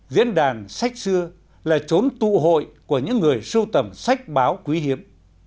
diễn đàn sách xưa là chốn tụ hội của những người sưu tầm sách báo quý hiếm